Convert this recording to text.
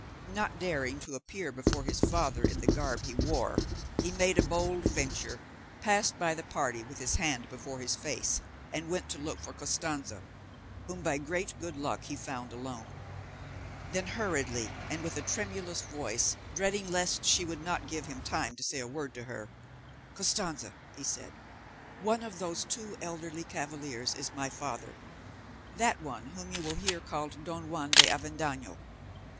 Not daring to appear before his father in the garb he wore, he made a bold venture, passed by the party with his hand before his face, and went to look for Costanza, whom, by great good luck, he found alone. Then hurriedly, and with a tremulous voice, dreading lest she would not give him time to say a word to her, "Costanza," he said, "one of those two elderly cavaliers is my father—that one whom you will hear called Don Juan de Avendaño.